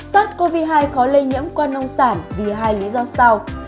sars cov hai khó lây nhiễm qua nông sản vì hai lý do sau